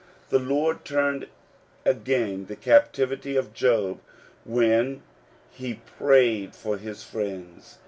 The Lord turned again the captivity of Job when he prayed for his friends.